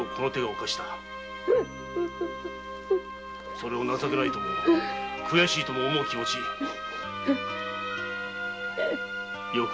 それを情けないとも悔しいとも思う気持よく分かるぞ。